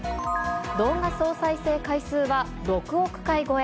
動画総再生回数は６億回超え。